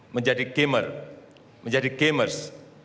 menjadi gamer menjadi gamers